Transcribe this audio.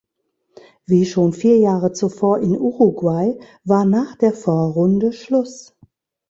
Wie schon vier Jahre zuvor in Uruguay war nach der Vorrunde Schluss.